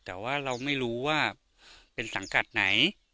แต่ว่าเราไม่รู้ว่าเป็นสังกัดไหน